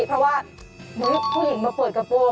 เพราะว่าผู้หญิงมาเปิดกระโปรง